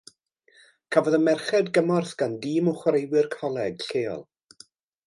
Cafodd y merched gymorth gan dîm o chwaraewyr coleg lleol.